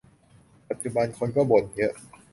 ปัจจุบัน คนก็บ่นเยอะ